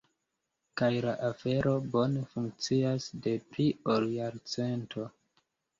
Kaj la afero bone funkcias de pli ol jarcento.